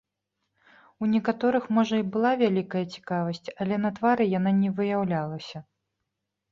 У некаторых можа і была вялікая цікавасць, але на твары яна не выяўлялася.